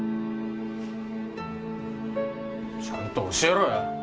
ちゃんと教えろよ